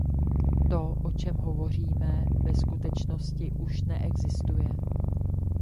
To, o čem hovoříme, ve skutečnosti už neexistuje.